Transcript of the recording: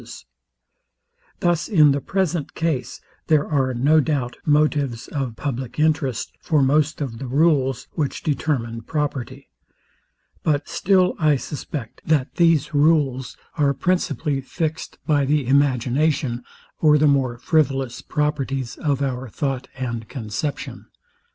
Thus, in the present case, there are, no doubt, motives of public interest for most of the rules, which determine property; but still I suspect, that these rules are principally fixed by the imagination, or the more frivolous properties of our thought and conception.